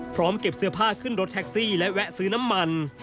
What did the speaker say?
พร้อมเก็บเสื้อผ้าขึ้นรถแท็กซี่และแวะซื้อน้ำมัน